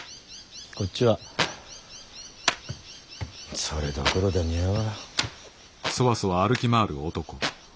こっちはそれどころだにゃあわ。